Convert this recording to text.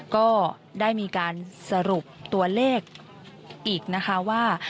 ก็ได้มีการสรุปตัวเลขอีกนะคะว่า